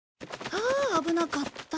ああ危なかった。